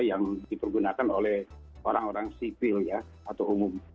yang dipergunakan oleh orang orang sivil ya atau umum